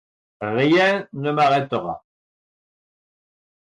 Rien ne m’arrêtera.